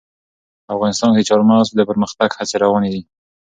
افغانستان کې د چار مغز د پرمختګ هڅې روانې دي.